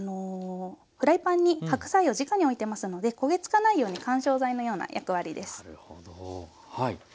フライパンに白菜をじかに置いてますので焦げつかないように緩衝材のような役割です。